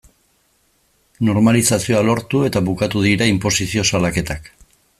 Normalizazioa lortu eta bukatu dira inposizio salaketak.